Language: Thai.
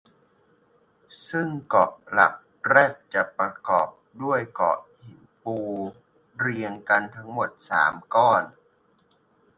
ซึ่งเกาะหลักแรดจะประกอบด้วยเกาะหินปูเรียงกันทั้งหมด สาม ก้อน